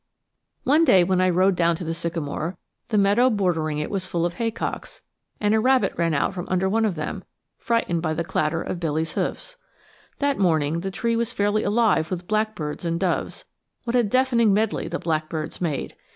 One day when I rode down to the sycamore, the meadow bordering it was full of haycocks, and a rabbit ran out from under one of them, frightened by the clatter of Billy's hoofs. That morning the tree was fairly alive with blackbirds and doves what a deafening medley the blackbirds made!